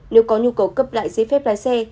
nếu có nhu cầu cấp lại giấy phép lái xe